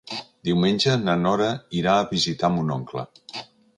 Diumenge na Nora irà a visitar mon oncle.